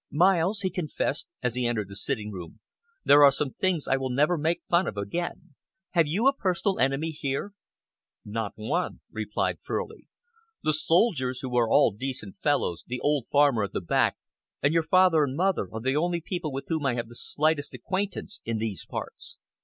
"Miles," he confessed, as he entered the sitting room, "there are some things I will never make fun of again. Have you a personal enemy here?" "Not one," replied Furley. "The soldiers, who are all decent fellows, the old farmer at the back, and your father and mother are the only people with whom I have the slightest acquaintance in these parts."